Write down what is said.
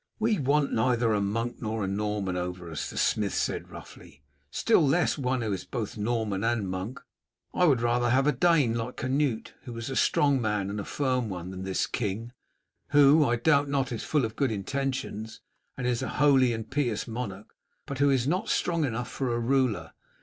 "We want neither a monk nor a Norman over us," the smith said roughly, "still less one who is both Norman and monk I would rather have a Dane, like Canute, who was a strong man and a firm one, than this king, who, I doubt not, is full of good intentions, and is a holy and pious monarch, but who is not strong enough for a ruler.